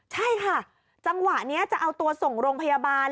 ใช่ค่ะจังหวะนี้จะเอาตัวส่งโรงพยาบาล